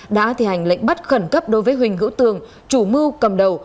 đã thi hành lệnh bắt khẩn cấp đối với huỳnh hữu tường chủ mưu cầm đầu